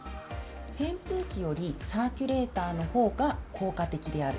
扇風機よりサーキュレーターのほうが効果的である。